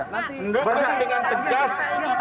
tidak dengan tegas